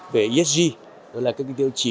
về esg đó là các tiêu chí có trách nhiệm